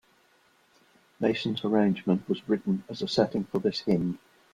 Mason's arrangement was written as a setting for this hymn.